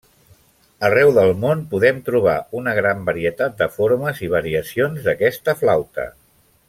Arreu del món podem trobar una gran varietat de formes i variacions d'aquesta flauta.